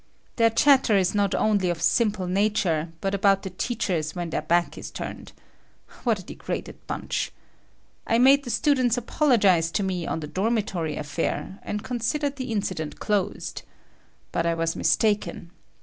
Their chatter is not only of simple nature, but about the teachers when their back is turned. What a degraded bunch! I made the students apologize to me on the dormitory affair, and considered the incident closed. But I was mistaken.